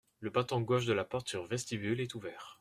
Le battant gauche de la porte sur vestibule est ouvert.